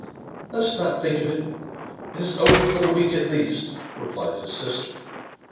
"Let us not think of it; it is over for the week at least/* replied his sister.